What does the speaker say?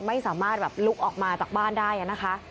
ไม่สามารถแบบลุกออกมาจากบ้านได้นะคะ